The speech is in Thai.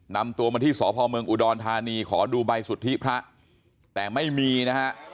นำตัวมาที่สพเมืองอุดรธานีขอดูใบสุทธิพระแต่ไม่มีนะฮะ